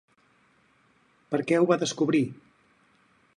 Per què ho va descobrir?